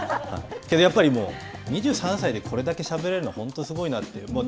やっぱり２３歳でこれだけしゃべれるのは本当にすごいなと。